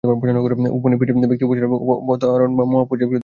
উপনিষদ ব্যক্তি-উপাসনার, অবতার বা মহাপুরুষ-পূজার বিরোধী নহে, বরং উহার পক্ষে।